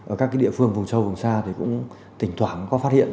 ở các địa phương vùng sâu vùng xa thì cũng tỉnh thoảng có phát hiện